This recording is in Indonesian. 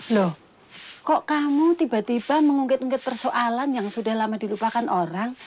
loh kok kamu tiba tiba mengungkit ungkit persoalan yang sudah lama dilupakan orang